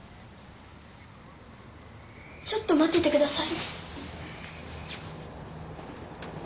ちょっと待っててください